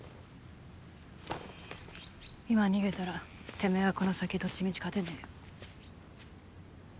今逃げたらてめぇはこの先どっちみち勝てねぇよ。